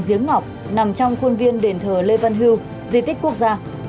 giếng ngọc nằm trong khuôn viên đền thờ lê văn hưu di tích quốc gia